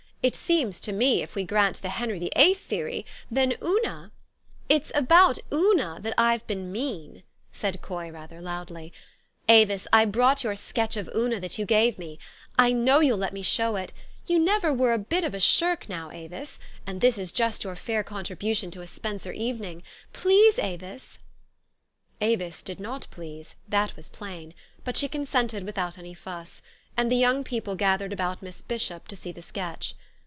It seems to me, if we grant the Henry VIII. theory, then Una " "It's about Una that I've been mean," said Coy rather loudly. "Avis, I brought your sketch of Una that you gave me. I know j ou'll let me show it. You never were a bit of a shirk, now, Avis ; and this is just your fair contribution to a Spenser evening. Please, Avis? " 18 THE STORY OF AVIS. Avis did not please, that was plain ; but she con sented without any fuss ; and the young people gathered about Miss Bishop to see the sketch.